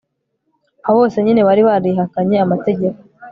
abo bose nyine bari barihakanye amategeko